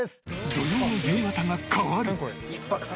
土曜の夕方が変わる！